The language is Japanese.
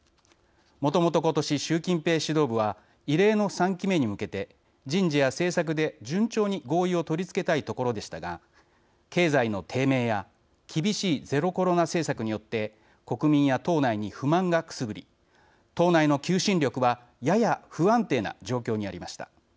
もともと今年、習近平指導部は異例の３期目に向けて人事や政策で、順調に合意を取り付けたいところでしたが経済の低迷や厳しいゼロコロナ政策によって国民や党内に不満がくすぶり党内の求心力はやや不安定な状況にありました。